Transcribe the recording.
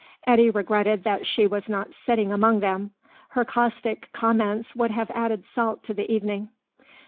Eddy regretted that she was not sitting among them; her caustic comments would have added salt to the evening.